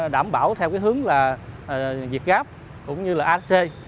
đảm bảo theo cái hướng là việt gáp cũng như là ac